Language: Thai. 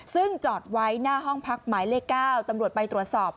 ซึ่งจอดไว้หน้าห้องพักหมายเลข๙ตำรวจไปตรวจสอบ